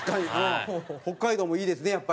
北海道もいいですね